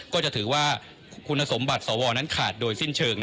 ก็จะถือว่าคุณสมบัติสวนั้นขาดโดยสิ้นเชิง